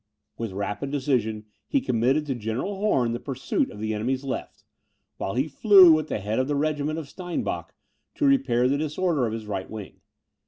With rapid decision he committed to General Horn the pursuit of the enemy's left, while he flew, at the head of the regiment of Steinbock, to repair the disorder of his right wing.